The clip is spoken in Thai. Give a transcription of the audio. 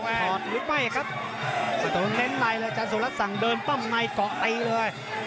ตัวนั้นเน้นในแล้วจันสุรัสสั่งเดินป้ำในก่อไปเลย